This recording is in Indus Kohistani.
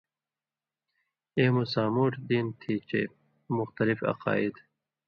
ایوں مہ سامُوٹھ دین تھی چے اُو مُختلِف عقائد